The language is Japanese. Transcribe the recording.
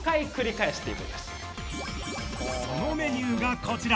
そのメニューが、こちら。